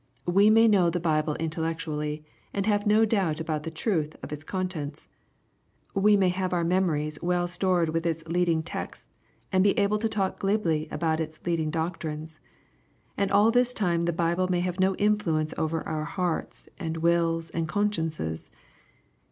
We may know the Bible intellectually, and have no doubt about the truth of its contents. We may have our, memories well stored with its leading texts, and be able to talk glibly about its leading doctrines. And all this time the Bible may have no influence over our hearts, and wills, and con sciences.